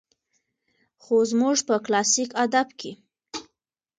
خو زموږ په کلاسيک ادب کې